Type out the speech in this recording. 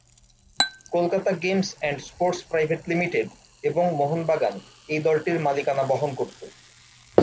Kolkata games and sports private limited এবং মোহনবাগান এই দলটির মালিকানা বহন করত।